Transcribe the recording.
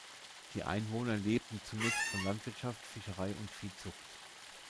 Die Einwohner lebten zunächst von Landwirtschaft, Fischerei und Viehzucht.